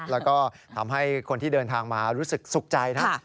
แล้วก็ทำให้คนที่เดินทางมารู้สึกสุขใจนะ